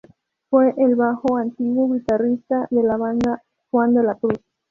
Fue el bajo antiguo y guitarrista de la banda Juan de la Cruz.